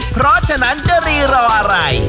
เพราะฉะนั้นจะรีรออะไร